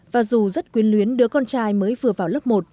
và dù rất quyến luyến đứa con trai mới vừa vào lớp một